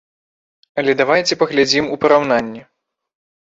Але давайце паглядзім у параўнанні.